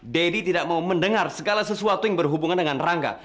deddy tidak mau mendengar segala sesuatu yang berhubungan dengan rangga